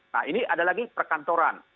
nah ini ada lagi perkantoran